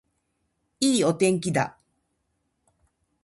いいお天気だ